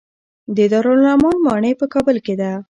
د دارالامان ماڼۍ په کابل کې ده